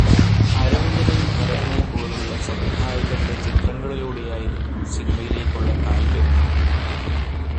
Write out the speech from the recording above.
അരവിന്ദനെയും ഭരതനെയും പോലുള്ള സംവിധായകരുടെ ചിത്രങ്ങളിലൂടെയായിരുന്നു സിനിമയിലേയ്ക്കുള്ള കാൽവെപ്പ്.